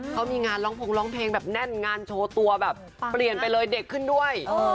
เขามีงานร้องพงษร้องเพลงแบบแน่นงานโชว์ตัวแบบเปลี่ยนไปเลยเด็กขึ้นด้วย